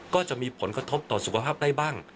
ก็จะมีผลกระทบต่อสุขภาพได้บ้าง